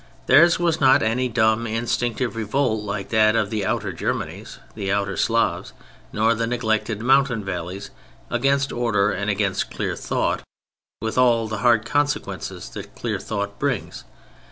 Theirs was not any dumb instinctive revolt like that of the Outer Germanies, the Outer Slavs, nor the neglected mountain valleys, against order and against clear thought, with all the hard consequences that clear thought brings.